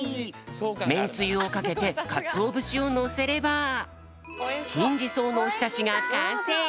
めんつゆをかけてかつおぶしをのせればきんじそうのおひたしがかんせい！